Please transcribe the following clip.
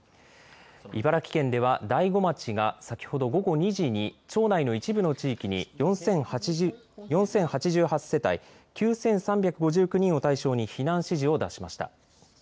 茨城県では大子町が先ほど午後２時に町内の一部の地域に４０８８世帯９３５９人を対象に避難指示を出しました。